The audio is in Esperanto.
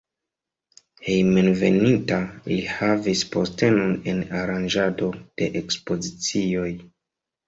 Hejmenveninta li havis postenon en aranĝado de ekspozicioj.